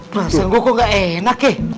masalah gue kok gak enak ya